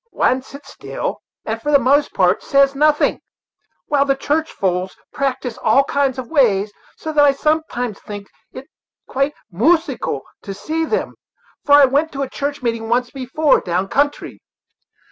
One sits still, and, for the most part; says nothing, while the church folks practyse all kinds of ways, so that I sometimes think it quite moosical to see them; for I went to a church meeting once before, down country."